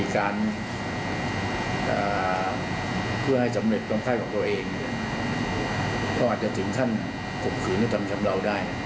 ก็อาจจะถึงขั้นฝุมคืนและทำชำนาวได้